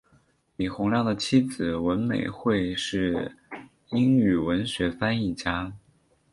林洪亮的妻子文美惠是英语文学翻译家。